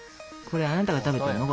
これあなたが食べてるの？